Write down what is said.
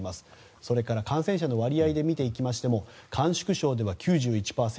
それから感染者の割合で見ていきましても甘粛省では９１％